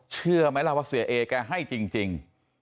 เชื่อไหมล่ะว่าเสียเอแกให้จริง